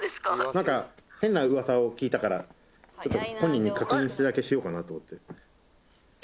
なんか変な噂を聞いたからちょっと本人に確認するだけしようかなと思って。